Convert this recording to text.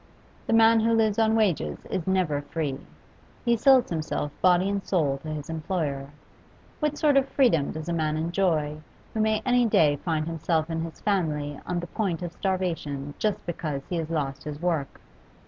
'The man who lives on wages is never free; he sells himself body and soul to his employer. What sort of freedom does a man enjoy who may any day find himself and his family on the point of starvation just because he has lost his work?